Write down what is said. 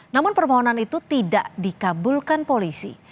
namun permohonan itu tidak dikabulkan polisi